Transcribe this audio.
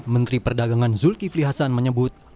menteri perdagangan zulkifli hasan menyebut